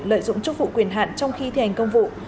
lợi dụng chức vụ quyền hạn trong khi thi hành công vụ